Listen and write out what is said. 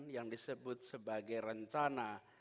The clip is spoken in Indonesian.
yang disebut sebagai rencana